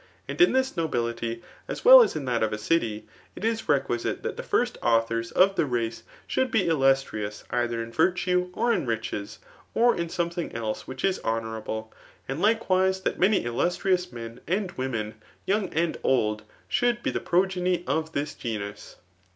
And in ^fais nobility as w^l as in tbat of a city, itis reqniflite diat the first authors of die race, should be illustrioua either in virtue or in riches, or in something elee* wiudk is honouMbte, ^nd likewise that many illustrious men sttd women, yoimg and old, should be the progeny of thill genus.